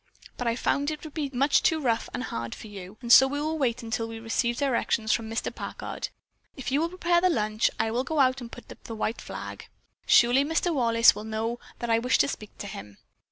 But I found that it would be much too rough and hard for you, and so we will wait until we receive directions from Mr. Packard. If you will prepare the lunch, I will go out and put up a white flag. Surely Mr. Wallace will know that I wish to speak to him.